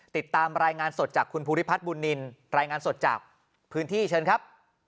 ติดตามรายงานสดจากคุณภูริพัฒน์บุญนินรายงานสดจากพื้นที่เชิญครับ